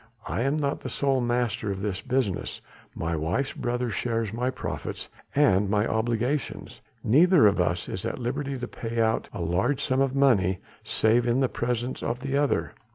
I am not the sole master of this business, my wife's brother shares my profits and my obligations. Neither of us is at liberty to pay out a large sum of money, save in the presence of the other."